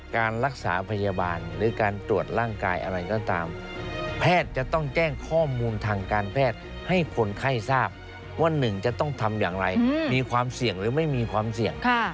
การรักษาพยาบาลหรือการตรวจร่างกายอะไรก็ตามแพทย์จะต้องแจ้งข้อมูลทางการแพทย์ให้คนไข้ทราบว่าหนึ่งจะต้องทำอย่างไรมีความเสี่ยงหรือไม่มีความเสี่ยง